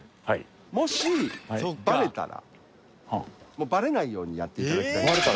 もしバレたらバレないようにやって頂きたい。